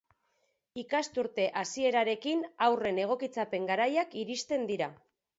Ikasturte hasierarekin haurren egokitzapen garaiak iristen dira.